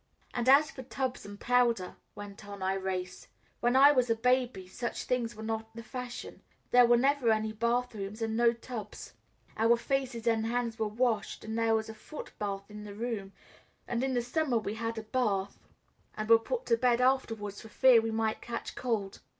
"And as for tubs and powder," went on Irais, "when I was a baby such things were not the fashion. There were never any bathrooms, and no tubs; our faces and hands were washed, and there was a foot bath in the room, and in the summer we had a bath and were put to bed afterwards for fear we might catch cold.